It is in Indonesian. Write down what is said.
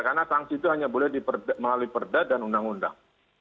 karena sanksi itu hanya boleh melalui perdah dan undang undang